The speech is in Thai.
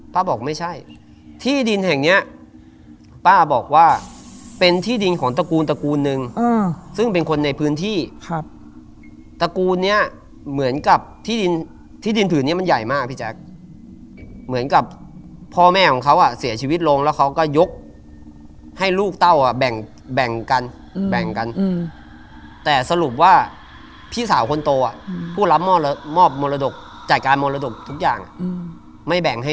บอกไม่ใช่ที่ดินแห่งเนี้ยป้าบอกว่าเป็นที่ดินของตระกูลตระกูลนึงซึ่งเป็นคนในพื้นที่ครับตระกูลเนี้ยเหมือนกับที่ดินที่ดินผืนนี้มันใหญ่มากพี่แจ๊คเหมือนกับพ่อแม่ของเขาอ่ะเสียชีวิตลงแล้วเขาก็ยกให้ลูกเต้าอ่ะแบ่งแบ่งกันแบ่งกันแต่สรุปว่าพี่สาวคนโตอ่ะผู้รับมอบมรดกจัดการมรดกทุกอย่างไม่แบ่งให้